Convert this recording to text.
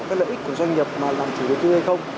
cái lợi ích của doanh nghiệp mà làm chủ đầu tư hay không